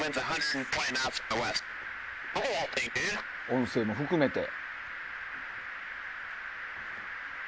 音声も含めて。